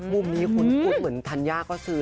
มุมนี้คุณพูดเหมือนธัญญาก็ซื้อ